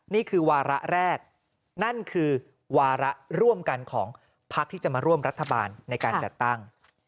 นี่คือวาระแรกนั่นคือวาระร่วมกันของพักที่จะมาร่วมรัฐบาลในการจัดตั้ง